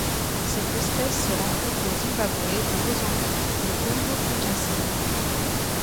Cette espèce se rencontre au Zimbabwe, au Mozambique et au Congo-Kinshasa.